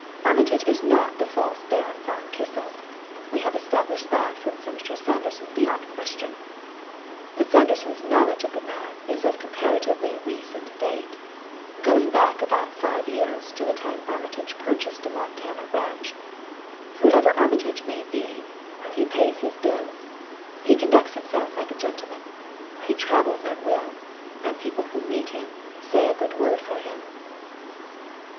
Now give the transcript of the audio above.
Armitage is not the false Baron von Kissel we have established that from Senator Sanderson beyond question. But Sanderson's knowledge of the man is of comparatively recent date going back about five years to the time Armitage purchased his Montana ranch. Whoever Armitage may be, he pays his bills; he conducts himself like a gentleman; he travels at will, and people who meet him say a good word for him."